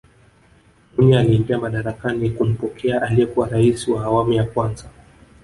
mwinyi aliingia madarakani kumpokea aliyekuwa raisi wa awamu ya kwanza